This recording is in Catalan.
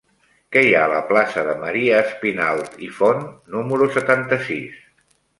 Què hi ha a la plaça de Maria Espinalt i Font número setanta-sis?